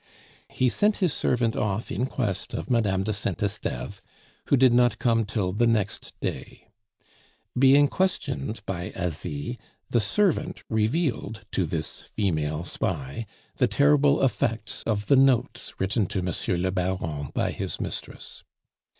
He sent his servant off in quest of Madame de Saint Esteve, who did not come till the next day. Being questioned by Asie, the servant revealed to this female spy the terrible effects of the notes written to Monsieur le Baron by his mistress.